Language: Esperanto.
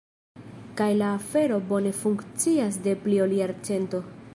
Kaj la afero bone funkcias de pli ol jarcento.